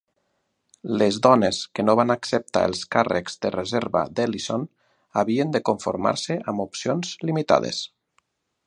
Les dones que no van acceptar els càrrecs de reserva d'Ellison havien de conformar-se amb opcions limitades.